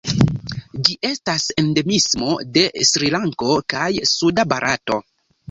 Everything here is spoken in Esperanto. Ĝi estas endemismo de Srilanko kaj suda Barato.